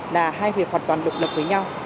là hai việc hoàn toàn lực lực với nhau